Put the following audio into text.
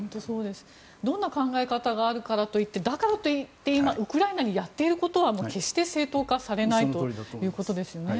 どんな考え方があるからといってウクライナにやっていることは決して正当化されないということですよね。